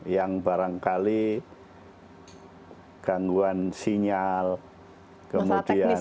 yang barangkali gangguan sinyal kemudian